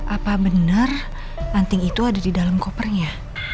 apa benar anting itu ada di dalam kopernya